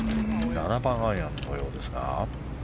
７番アイアンのようですが。